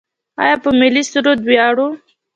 آیا په ملي سرود ویاړو؟